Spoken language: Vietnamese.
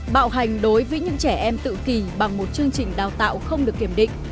bạo hành đối với những trẻ em tự kỷ bằng một chương trình đào tạo không được kiểm định